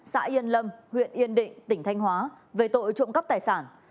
xã yên lâm huyện yên định tỉnh thanh hóa về tội trộm cắp tài sản